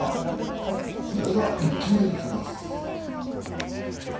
それでは「イッキ見」にいきます。